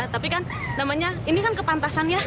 tapi kan namanya ini kan kepantasannya